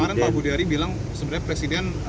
kemarin pak budiari bilang sebenarnya presiden